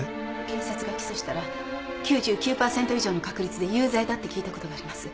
検察が起訴したら９９パーセント以上の確率で有罪だって聞いた事があります。